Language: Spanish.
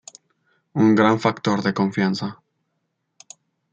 Un gran factor de confianza.